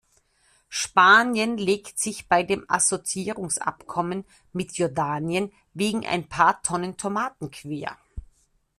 Spanien legt sich bei dem Assoziierungsabkommen mit Jordanien wegen ein paar Tonnen Tomaten quer.